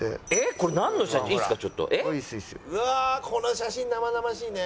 この写真生々しいね。